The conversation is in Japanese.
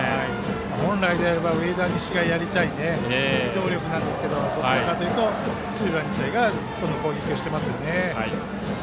本来なら上田西がやりたい機動力なんですがどちらかというと土浦日大がそんな攻撃をしていますね。